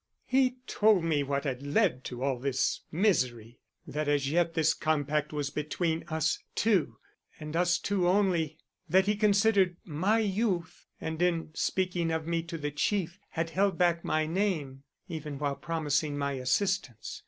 "He told me what had led to all this misery. That as yet this compact was between us two, and us two only. That he had considered my youth, and in speaking of me to the Chief had held back my name even while promising my assistance.